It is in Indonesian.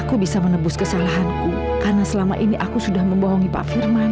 karena selama ini aku sudah membohongi pak firman